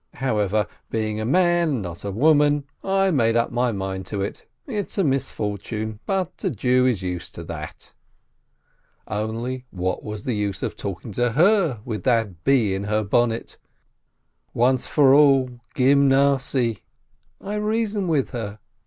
However, being a man and not a woman, I made up my mind to it — it's a mis fortune, but a Jew is used to that. Only what was the use of talking to her with that bee in her bonnet? Once for all, Gymnasiye! I reason with her.